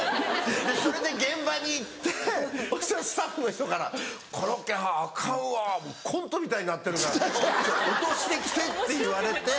それで現場に行ってそしたらスタッフの人から「コロッケはんアカンわコントみたいになってるから落として来て」って言われて。